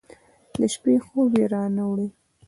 د شپې خوب یې رانه وړی